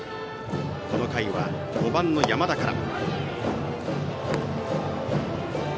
この回は５番の山田から。